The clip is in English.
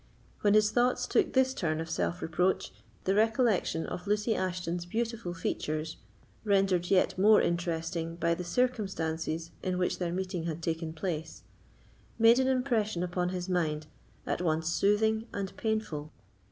When his thoughts took this turn of self reproach, the recollection of Lucy Ashton's beautiful features, rendered yet more interesting by the circumstances in which their meeting had taken place, made an impression upon his mind at once soothing and painful.